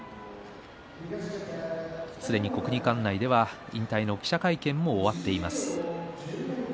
すでに国技館内では引退の記者会見も終わっています。